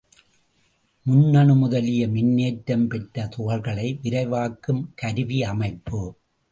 முன்னணு முதலிய மின்னேற்றம் பெற்ற துகள்களை விரைவாக்கும் கருவியமைப்பு.